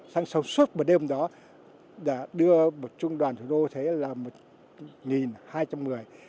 sang sông suốt một đêm đó đưa một trung đoàn thủ đô thế là một hai trăm linh người